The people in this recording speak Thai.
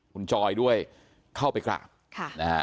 คุณจอยด้วยเข้าไปกราบ